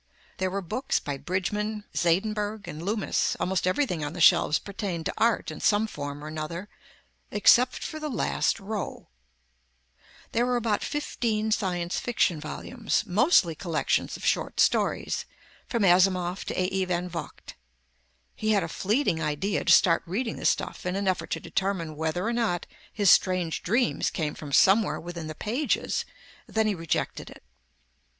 There were books by Bridgeman, Zaindenburg and Loomis, almost everything on the shelves pertained to art in some form or another except for the last row. There were about fifteen science fiction volumes, mostly collections of short stories, from Asimov to A.E. van Vogt. He had a fleeting idea to start reading the stuff in an effort to determine whether or not his strange dreams came from somewhere within the pages, then he rejected it.